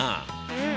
うん。